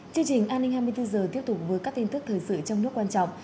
chương trình an ninh hai mươi bốn h tiếp tục với các tin tức thời sự trong nước quan trọng